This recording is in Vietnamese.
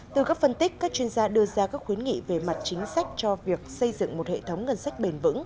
từ các phân tích các chuyên gia đưa ra các khuyến nghị về mặt chính sách cho việc xây dựng một hệ thống ngân sách bền vững